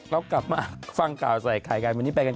เรากลับมาฟังกล่าวใส่ไปกันก่อน